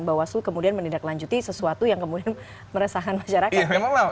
bawas lu kemudian menindaklanjuti sesuatu yang kemudian meresahkan masyarakat